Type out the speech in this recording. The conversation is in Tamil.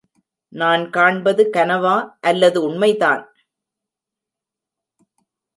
நான் காண்பது கனவா, அல்லது உண்மைதான்?